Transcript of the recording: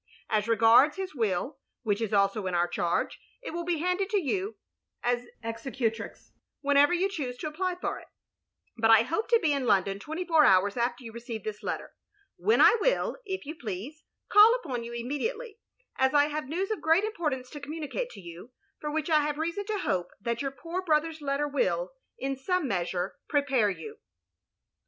As regards his wiU, which is also in our charge, it will be handed to you, as executrix, whenever you choose to apply for it; but I hope to be in London twenty four hours after you receive this letter, when I will, if you please^ call upon you immediately, as I have news of great importance to communicate to you; for which I have reason to hope, that your poor brother's letter will, in some measure, prepare you.